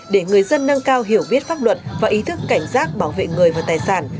để người dân nâng cao hiểu biết pháp luật và ý thức cảnh giác bảo vệ người và tài sản